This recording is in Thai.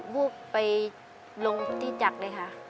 วูบไปลงพื้นที่จักรเลยค่ะ